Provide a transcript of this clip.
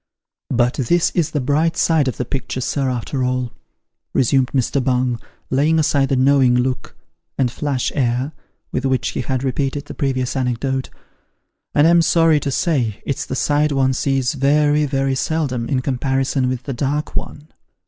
" But this is the bright side of the picture, sir, after all," resumed Mr. Bung, laying aside the knowing look, and flash air, with which he had repeated the previous anecdote " and I'm sorry to say, it's the side one sees very, very seldom, in comparison with the dark one.